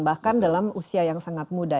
bahkan dalam usia yang sangat muda